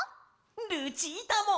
ルチータも！